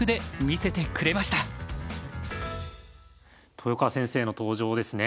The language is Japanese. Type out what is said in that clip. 豊川先生の登場ですね。